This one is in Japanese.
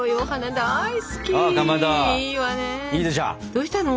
どうしたの？